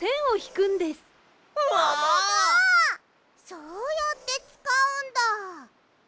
そうやってつかうんだ。